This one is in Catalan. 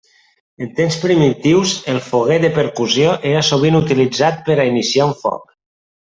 En temps primitius, el foguer de percussió era sovint utilitzat per a iniciar un foc.